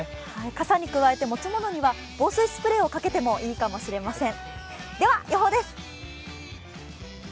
傘に加えて、持ち物には防水スプレーをかけてもいいかもしれません。